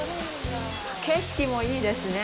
景色もいいですね。